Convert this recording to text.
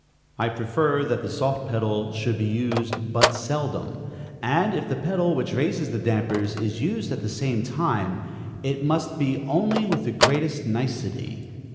I prefer that the soft pedal should be used but seldom, and, if the pedal which raises the dampers is used at the same time, it must be only with the greatest nicety.